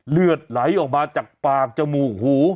เลือดไหลออกมาจากปากจมูกหู